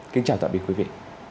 kính chào tạm biệt quý vị